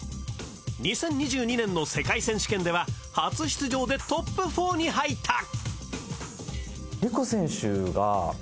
２０２２年の世界選手権では初出場でトップ４に入ったＲｉｋｏ選手が。